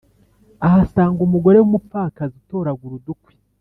ahasanga umugore w’umupfakazi utoragura udukwi